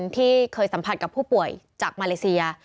ที่เคยสัมผัสกับผู้ป่วยจากมาเลเซีย